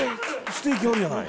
ステーキあるやない。